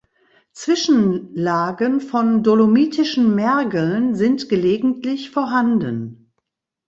Zwischenlagen von dolomitischen Mergeln sind gelegentlich vorhanden.